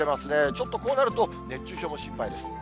ちょっとこうなると、熱中症も心配です。